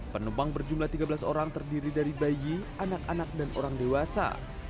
penumpang berjumlah tiga belas orang terdiri dari bayi anak anak dan orang dewasa